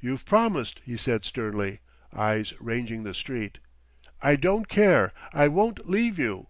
"You've promised," he said sternly, eyes ranging the street. "I don't care; I won't leave you."